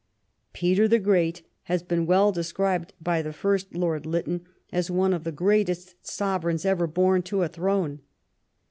Peter the Great has been well described by the first Lord Lytton as one of the greatest sovereigns ever born to a throne.